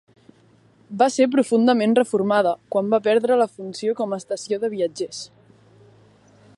Va ser profundament reformada quan va perdre la funció com a estació de viatgers.